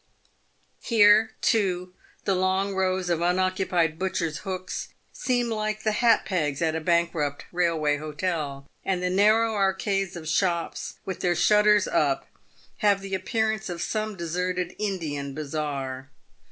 Here, too, the long rows of unoccupied butchers' hooks seem like the hat pegs at a bankrupt railway hotel, and the narrow arcades of shops, with their shutters up, have the appearance of some deserted Indian bazaar.